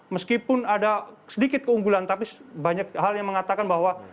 meskipun ada sedikit keunggulan tapi banyak hal yang mengatakan bahwa